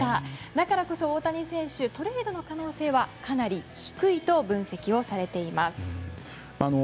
だからこそ、大谷選手のトレードの可能性はかなり低いと分析されています。